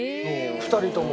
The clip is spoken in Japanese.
２人とも。